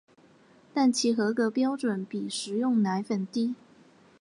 但其合格标准比食用奶粉低。